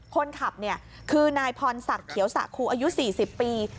คนขับคือนายพรศักดิ์เขียวสะครูอายุ๔๐ปี